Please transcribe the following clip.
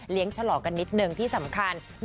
ฉลอกกันนิดนึงที่สำคัญ